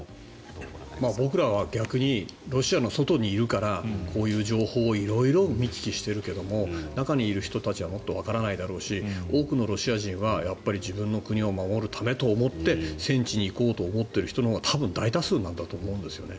僕らは逆にロシアの外にいるからこういう情報を色々見聞きしているけれど中にいる人たちはもっとわからないだろうし多くのロシア人は自分の国を守るためと思って戦地に行こうと思っている人のほうが多分大多数なんだと思うんですね。